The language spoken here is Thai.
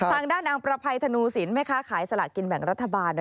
ทางด้านนางประภัยธนูสินแม่ค้าขายสละกินแบ่งรัฐบาล